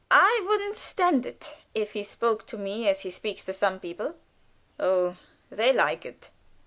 "I wouldn't stand it if he spoke to me as he speaks to some people." "Oh, they like it!"